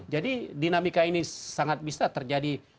jadi dinamika ini sangat bisa terjadi suatu